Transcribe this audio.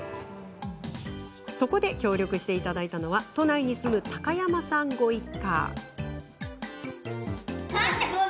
そこで、協力してもらったのは都内に住む高山さんご一家。